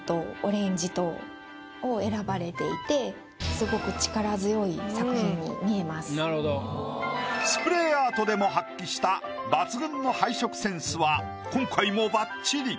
すごく濃い色でスプレーアートでも発揮した抜群の配色センスは今回もばっちり。